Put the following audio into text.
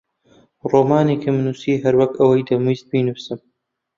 ڕۆمانێکم نووسی هەر وەک ئەوەی دەمویست بینووسم.